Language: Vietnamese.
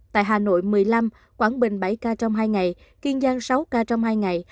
tại hà nội một mươi năm quảng bình bảy ca trong hai ngày kiên giang sáu ca trong hai ngày